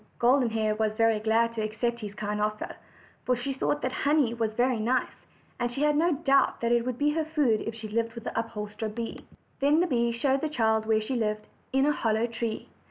Golden Hair was very glad to accept this kind offer, for she thought that honey was very nice; and she had no doubt that it would be her food if she lived with the upholsterer bee. Then the bee showed the child where she lived, in a hollow tree.